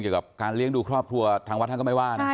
เกี่ยวกับการเลี้ยงดูครอบครัวทางวัดท่านก็ไม่ว่านะ